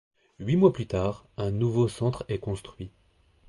Huit mois plus tard, un nouveau centre est construit.